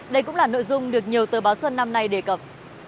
đây cũng là nội dung được nhiều tờ báo xuân năm nay đề cập